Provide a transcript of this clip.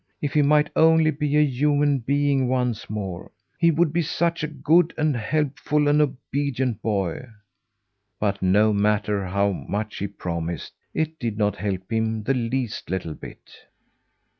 If he might only be a human being once more, he would be such a good and helpful and obedient boy. But no matter how much he promised it did not help him the least little bit.